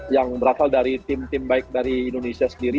yang berasal dari tim tim baik dari indonesia sendiri